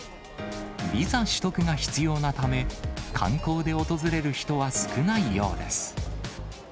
ビザ取得が必要なため、観光で訪れる人は少ないようです。